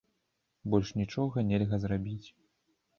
Больш нічога нельга зрабіць.